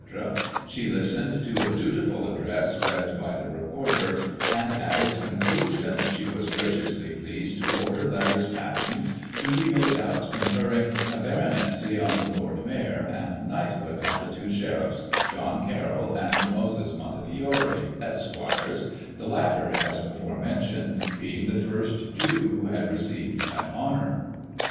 — she listened to a dutiful address read by the Recorder, and, at its con clusion, she was graciously pleased to order letters patent to be made out conferring a baronetcy on the Lord Mayor and knighthood on the two Sheriffs, John Carroll and Moses Montefiore, Esquires, the latter, as before mentioned, being the first Jew who had received that honour.